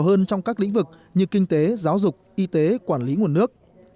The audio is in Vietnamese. hơn trong các lĩnh vực như kinh tế giáo dục y tế quản lý nguồn nước